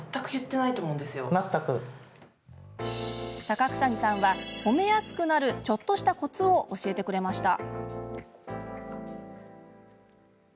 高草木さんは、褒めやすくなるちょっとしたコツを教えてくれました。